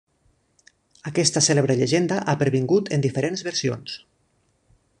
Aquesta cèlebre llegenda ha pervingut en diferents versions.